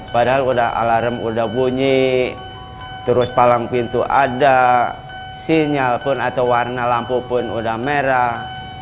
padahal udah alarm udah bunyi terus palang pintu ada sinyal pun atau warna lampu pun udah merah